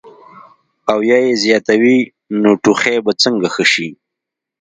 او يا ئې زياتوي نو ټوخی به څنګ ښۀ شي -